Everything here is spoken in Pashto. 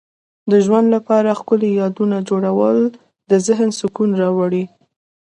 د ژوند لپاره ښکلي یادونه جوړول د ذهن سکون راوړي.